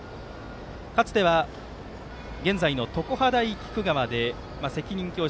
かつては現在の常葉大菊川で責任教師。